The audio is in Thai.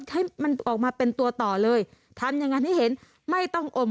ให้มันออกมาเป็นตัวต่อเลยทำยังไงให้เห็นไม่ต้องอม